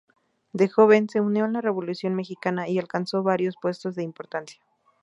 De joven se unió a la Revolución Mexicana y alcanzó varios puestos de importancia.